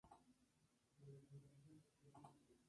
Es el más conocido de los festivales de música de Suiza.